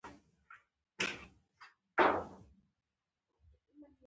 په نوي چاپېریال کې د نویو ملګرو موندل غواړي.